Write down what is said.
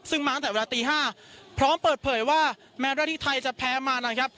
ซึ่งมาตั้งแต่เวลาตี๕พร้อมเปิดเผยว่าแม้ว่าที่ไทยจะแพ้มานะครับ